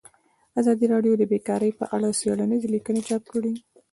ازادي راډیو د بیکاري په اړه څېړنیزې لیکنې چاپ کړي.